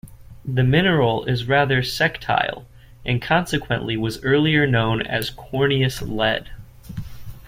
The mineral is rather sectile, and consequently was earlier known as corneous lead.